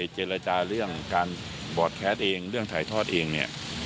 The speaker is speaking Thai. เจรจาเรื่องการบอร์ดแคสต์เองเรื่องถ่ายทอดเองเนี่ย